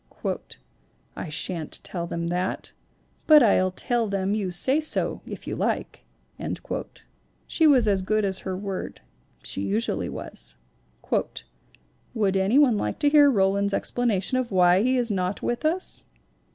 " 'I shan't tell them that, but I'll tell them you say so, if you like.' " She was as good as her word she usually was. [ 'Would any one like to hear Roland's explana tion of why he is not with us?'